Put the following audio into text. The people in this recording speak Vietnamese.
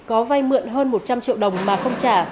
có vay mượn hơn một trăm linh triệu đồng mà không trả